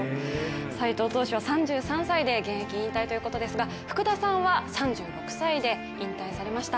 斎藤投手は３３歳で現役引退ということですが福田さんは３６歳で引退されました。